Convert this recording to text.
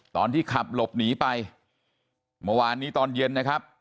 ตอนที่ขับหลบหนีไปเมื่อวานนี้ตอนเย็นนะครับ